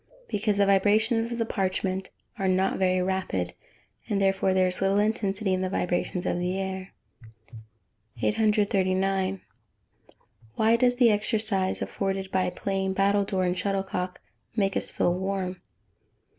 _ Because the vibrations of the parchment are not very rapid, therefore there is little intensity in the vibrations of the air. 839. _Why does the exercise, afforded by playing battledore and shuttlecock, make us feel warm?